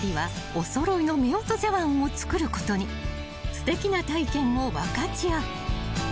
［すてきな体験を分かち合う］